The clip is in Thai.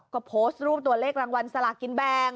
ก็โพสต์รูปตัวเลขรางวัลสลากินแบ่ง